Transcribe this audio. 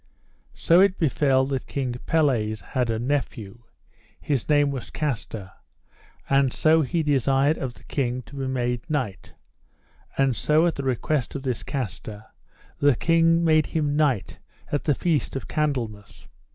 So it befell that King Pelles had a nephew, his name was Castor; and so he desired of the king to be made knight, and so at the request of this Castor the king made him knight at the feast of Candlemas.